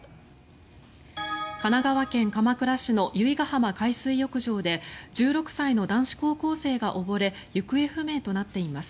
神奈川県鎌倉市の由比ガ浜海水浴場で１６歳の男子高校生が溺れ行方不明となっています。